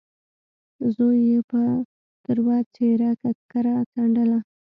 زوی يې په تروه څېره ککره څنډله.